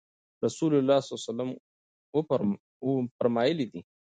رسول الله صلی الله عليه وسلم فرمایلي دي: